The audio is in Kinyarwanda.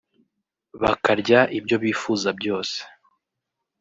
bakarya ibyo bifuza byose